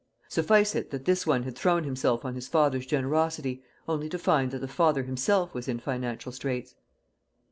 Suffice it that this one had thrown himself on his father's generosity, only to find that the father himself was in financial straits.